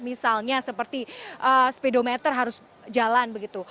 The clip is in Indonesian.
misalnya seperti spedometer harus jalan begitu